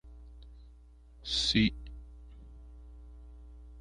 Sus imágenes tienen pocos espacios vacíos.